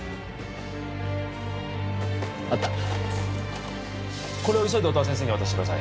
あったこれを急いで音羽先生に渡してください